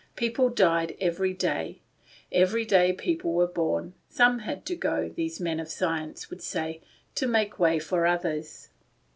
People died every day. Every day people were born. Some had to go, these men of science would say, to make way for others.